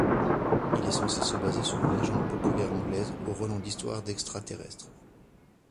Il était censé se baser sur une légende populaire anglaise aux relents d'histoire d'extra-terrestres.